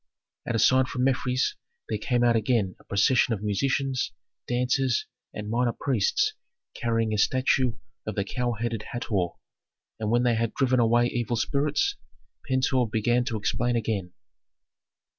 At a sign from Mefres there came out again a procession of musicians, dancers, and minor priests carrying a statue of the cow headed Hator; and when they had driven away evil spirits, Pentuer began to explain again.